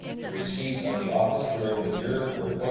The receipts of the office during the year were $136,304.